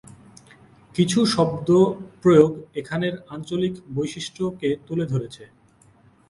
কিছু শব্দ প্রয়োগ এখানের আঞ্চলিক বৈশিষ্ট্যকে তুলে ধরেছে।